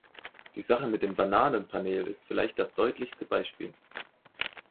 Die Sache mit dem Bananen-Panel ist vielleicht das deutlichste Beispiel.